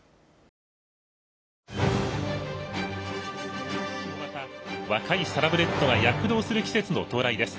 ことしも、また若いサラブレッドが躍動する季節の到来です。